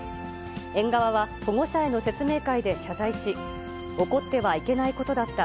園側は、保護者への説明会で謝罪し、起こってはいけないことだった。